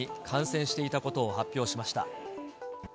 感染していたことを発表しました。